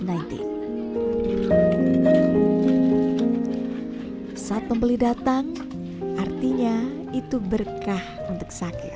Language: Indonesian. saat pembeli datang artinya itu berkah untuk sakit